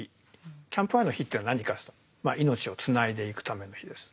キャンプファイヤーの火っていうのは何かっていうと命をつないでいくための火です。